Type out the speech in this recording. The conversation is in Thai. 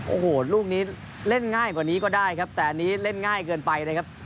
โอ้โหลูกนี้เล่นง่ายกว่านี้ก็ได้ครับแต่อันนี้เล่นง่ายเกินไปนะครับ